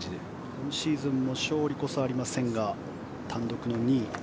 今シーズンも勝利こそありませんが単独の２位。